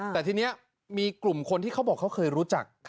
แต่ทีนี้มีกลุ่มคนที่เขาบอกเขาเคยรู้จัก